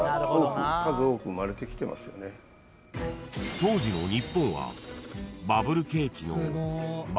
［当時の日本は］